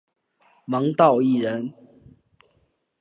王道义人。